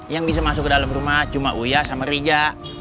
yang bisa masuk ke dalam rumah cuma uya sama rija